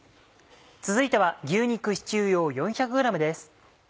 続いては牛肉シチュー用４００ｇです。